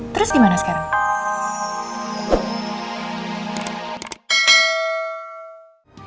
terus gimana sekarang